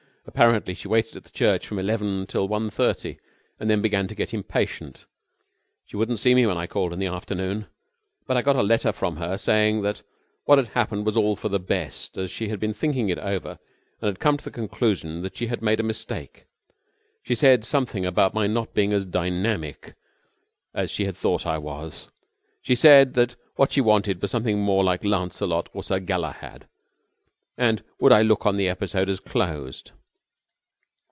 Apparently she waited at the church from eleven till one thirty and then began to get impatient. She wouldn't see me when I called in the afternoon, but I got a letter from her saying that what had happened was all for the best as she had been thinking it over and had come to the conclusion that she had made a mistake. She said something about my not being as dynamic as she had thought I was. She said that what she wanted was something more like Lancelot or Sir Galahad, and would I look on the episode as closed."